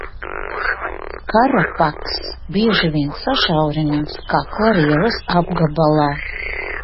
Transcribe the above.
Karapakss bieži vien sašaurinās kakla rievas apgabalā.